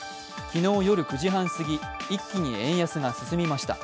昨日夜９時半すぎ一気に円安が進みました。